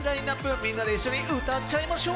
みんなで一緒に歌っちゃいましょう！